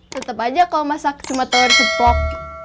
tetep aja kalau masak cuma telur ceplok